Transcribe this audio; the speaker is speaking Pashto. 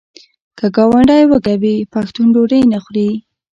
که ګاونډی وږی وي پښتون ډوډۍ نه خوري.